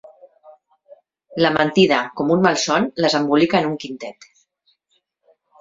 La mentida, com un malson, les embolica en un quintet.